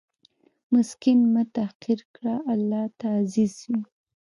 مسکین مه تحقیر کړه، الله ته عزیز وي.